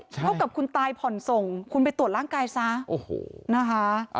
เท่ากับคุณตายผ่อนส่งคุณไปตรวจร่างกายซะโอ้โหนะคะ